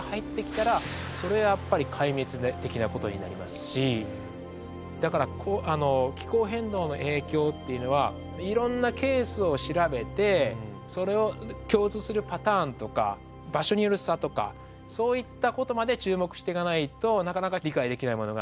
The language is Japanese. もしこれ以上だから気候変動の影響っていうのはいろんなケースを調べてそれを共通するパターンとか場所による差とかそういったことまで注目していかないとなかなか理解できないものがあります。